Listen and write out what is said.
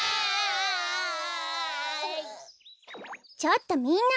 ちょっとみんな！